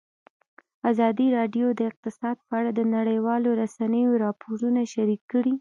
ازادي راډیو د اقتصاد په اړه د نړیوالو رسنیو راپورونه شریک کړي.